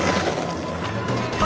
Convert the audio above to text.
あ！